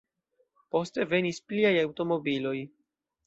Poste venis pliaj aŭtomobiloj.